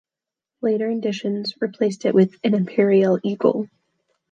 Later editions replaced it with an Imperial eagle.